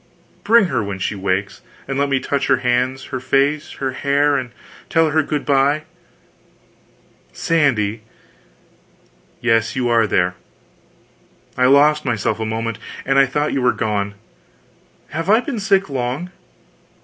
Bring her when she wakes, and let me touch her hands, her face, her hair, and tell her good bye.... Sandy! Yes, you are there. I lost myself a moment, and I thought you were gone.... Have I been sick long?